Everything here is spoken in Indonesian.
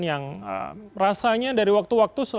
yang rasanya dari waktu waktu